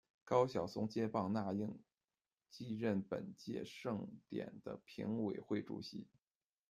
高晓松接棒那英继任本届盛典的评委会主席。